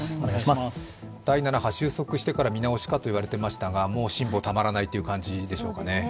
第７波収束してから見直しかといわれていましたがもう辛抱たまらないという感じでしょうかね。